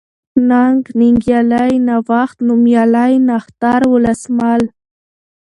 ننگ ، ننگيالی ، نوښت ، نوميالی ، نښتر ، ولسمل